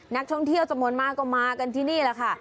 นักท่องเที่ยวจำนวนมากก็มากันที่นี่แหละค่ะ